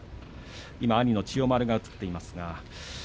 今、兄の千代丸が映っていました。